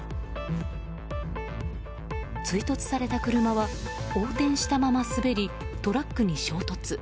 追突された車は横転したまま滑りトラックに衝突。